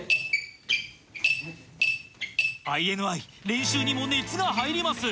ＩＮＩ 練習にも熱が入ります